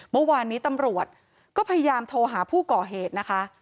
เมื่อวานนี้ตำรวจก็พยายามโทรหาผู้ก่อเหตุนะคะ